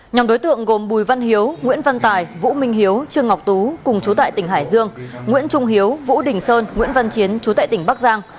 nhóm đối tượng gồm bùi văn hiếu nguyễn văn tài vũ minh hiếu trương ngọc tú cùng chú tại tỉnh hải dương nguyễn trung hiếu vũ đình sơn nguyễn văn chiến chú tại tỉnh bắc giang